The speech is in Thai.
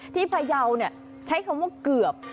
ที่พยาวเนี่ยใช้คำว่าเกือบ